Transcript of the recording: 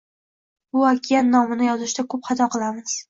Bu okean nomini yozishda koʻp xato qilamiz